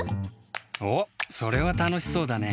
おっそれはたのしそうだね。